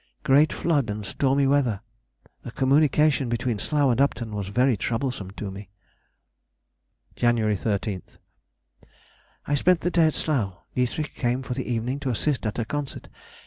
Great flood and stormy weather. The communication between Slough and Upton was very troublesome to me. Jan. 13th.—I spent the day at Slough. Dietrich came for the evening to assist at a concert.